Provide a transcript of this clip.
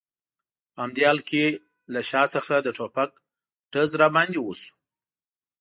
په همدې حال کې له شا څخه د ټوپک ډز را باندې وشو.